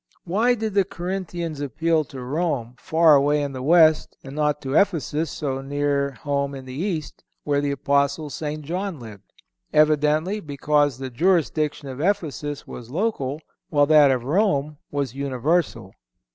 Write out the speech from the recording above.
Why did the Corinthians appeal to Rome, far away in the West, and not to Ephesus, so near home in the East, where the Apostle St. John still lived? Evidently because the jurisdiction of Ephesus was local, while that of Rome was universal.